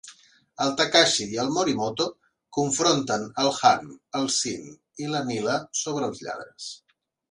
El Takashi i el Morimoto confronten el Han, el Sean i la Neela sobre els lladres.